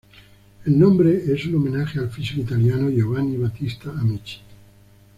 El nombre es un homenaje al físico italiano Giovanni Battista Amici.